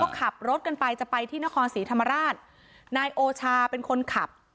ก็ขับรถกันไปจะไปที่นครศรีธรรมราชนายโอชาเป็นคนขับ